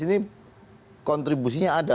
ini kontribusinya ada